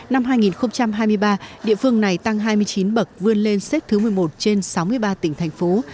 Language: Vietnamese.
năm hai nghìn hai mươi ba địa phương này tăng hai mươi chín bậc vươn lên xếp thứ một mươi một trên sáu mươi ba tỉnh thành phố